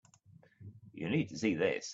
You need to see this.